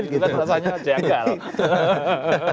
kita rasanya jagal